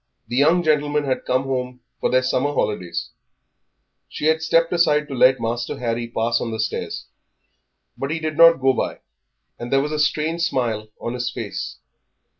The young gentlemen had come home for their summer holidays; she had stepped aside to let Master Harry pass on the stairs. But he did not go by, and there was a strange smile on his face.